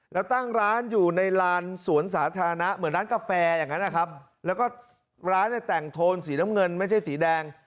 แล้วตั้งร้านอยู่ในลานสวนสาธารณะเหมือนร้านกาแฟอย่างนั้นนะครับแล้วก็ร้านเนี่ยแต่งโทนสีน้ำเงินไม่ใช่สีแดง